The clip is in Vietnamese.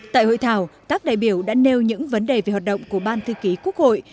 tại hội thảo các đại biểu đã nêu những vấn đề về hoạt động của ban thư ký quốc hội